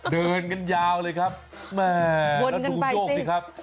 เดินกันยาวเลยครับวนกันไปสิครับ